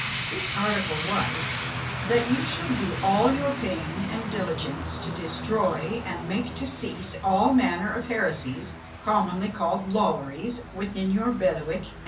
This article was, "That you shall do all your pain and diligence to destroy and make to cease all manner of heresies, commonly called Lollaries, within your bailiwick, &c."